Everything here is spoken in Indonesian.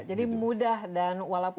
jadi mudah dan walaupun